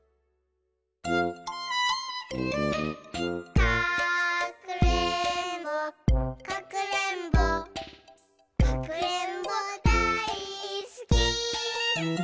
「かくれんぼかくれんぼかくれんぼだいすき」